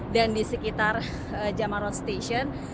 dan di sekitar jamarot station